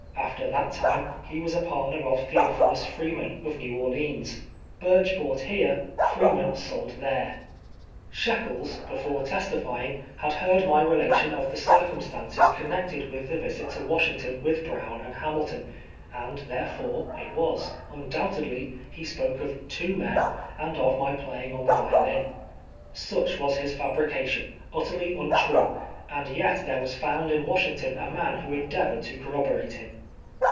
After that time he was a partner of Theophilus Freeman, of ISTew Orleans. Burcli bought here — Freeman sold there !" Shekels, before testifying, had heard my relation of the circumstances connected with the visit to Wash ington with Brown and Hamilton, and therefore, it was, undoubtedly, he s^^oke of *' two men," and of my playing on the violin. Such was his fal)rication, ut terly untrue, and yet there was found in "Washington a man who endeavored to corroborate him.